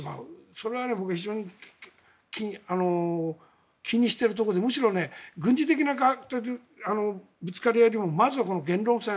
それは僕非常に気にしているところでむしろ軍事的なぶつかり合いでもまずは言論戦。